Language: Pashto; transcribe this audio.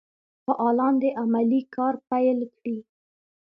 فعالان دي عملي کار پیل کړي.